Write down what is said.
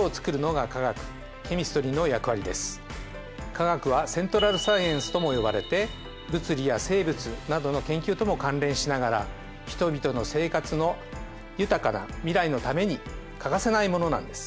化学はＣｅｎｔｒａｌＳｃｉｅｎｃｅとも呼ばれて物理や生物などの研究とも関連しながら人々の生活の豊かな未来のために欠かせないものなんです。